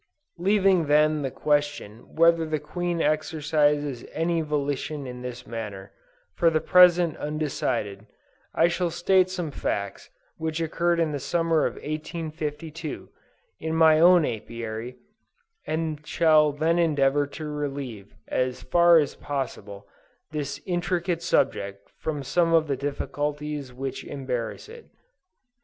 Leaving then the question whether the Queen exercises any volition in this matter, for the present undecided, I shall state some facts which occurred in the summer of 1852, in my own Apiary, and shall then endeavor to relieve, as far as possible, this intricate subject from some of the difficulties which embarrass it.